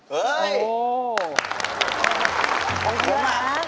เฮ่ยโอ้โฮโอ้โฮโอ้โฮ